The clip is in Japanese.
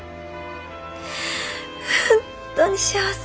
本当に幸せ。